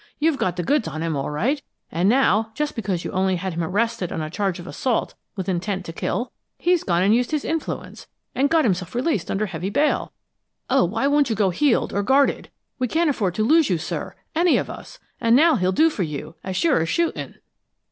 You've got the goods on him, all right; and now, just because you only had him arrested on a charge of assault with intent to kill, he's gone and used his influence, and got himself released under heavy bail. Oh, why won't you go heeled or guarded? We can't afford to lose you, sir, any of us, and now he'll do for you, as sure as shooting!"